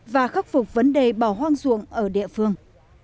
và khắc phục vấn đề bỏ hoang ruộng ở địa phương